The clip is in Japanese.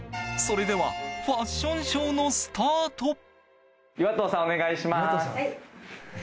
それでは、ファッションショーのスタート！